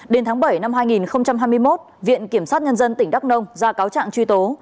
đến tháng bảy năm hai nghìn hai mươi một viện kiểm sát nhân dân tỉnh đắk nông ra cáo trạng truy tố